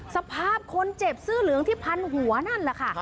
สภาพคนเจ็บเสื้อเหลืองที่พันหัวนั่นแหละค่ะ